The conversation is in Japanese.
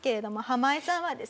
ハマイさん